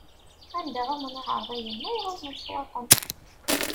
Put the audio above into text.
Anda ɛummen iɛeṛḍiyen, ay ɛummen ccwaṭen.